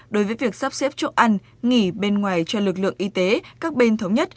đối với việc sắp xếp chỗ ăn nghỉ bên ngoài cho lực lượng y tế các bên thống nhất